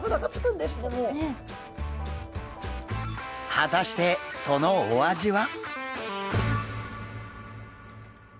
果たしてそのお味は？